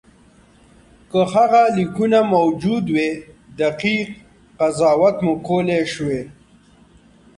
که هغه لیکونه موجود وای دقیق قضاوت مو کولای شوای.